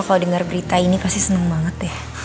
kalau denger berita ini pasti seneng banget deh